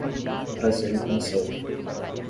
Prazer em conhecê-lo.